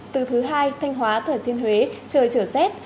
từ thứ hai thanh hóa thừa thiên huế trời trở rét